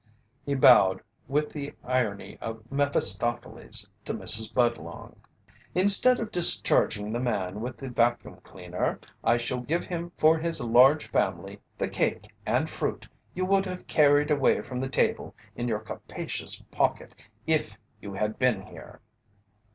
He bowed with the irony of Mephistopheles to Mrs. Budlong: "Instead of discharging the man with the vacuum cleaner, I shall give him for his large family the cake and fruit you would have carried away from the table in your capacious pocket if you had been here."